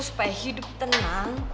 supaya hidup tenang